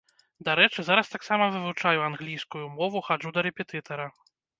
Дарэчы, зараз таксама вывучаю англійскую мову, хаджу да рэпетытара.